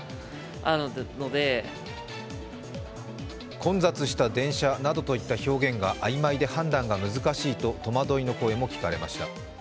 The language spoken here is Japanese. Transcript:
混雑した電車などといった表現が曖昧で判断が難しいと戸惑いの声も聞かれました。